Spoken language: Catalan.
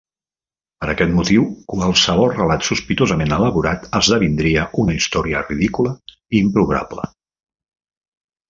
Per aquest motiu, qualsevol relat sospitosament elaborat esdevindria una història ridícula i improbable.